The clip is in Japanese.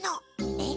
えっ？